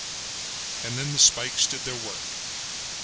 And then the spikes did their work.